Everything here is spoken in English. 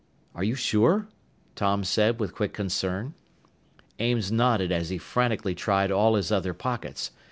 "Are you sure?" Tom said with quick concern. Ames nodded as he frantically tried all his other pockets.